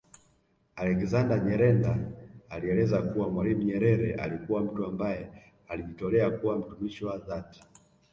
Alexander Nyirenda alieleza kuwa Mwalimu Nyerere alikuwa mtu ambaye alijitolea kuwa mtumishi wa dhati